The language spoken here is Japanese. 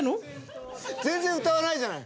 全然歌わないじゃない！